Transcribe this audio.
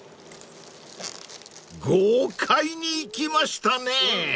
［豪快にいきましたね］